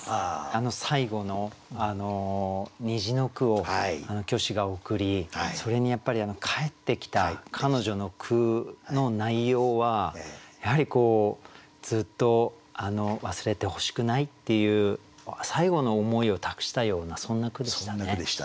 あの最後の虹の句を虚子が送りそれに返ってきた彼女の句の内容はやはりずっと忘れてほしくないっていう最後の思いを託したようなそんな句でしたね。